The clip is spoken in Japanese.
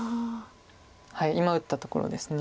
今打ったところです。